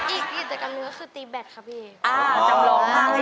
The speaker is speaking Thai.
อีกอินตนิ้วคือตีแบตนะพี่